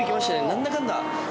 何だかんだ。